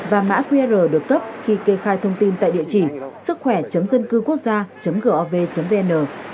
và mã qr được cấp khi kê khai thông tin tại địa chỉ sứckhỏe dâncưuquốc gia gov vn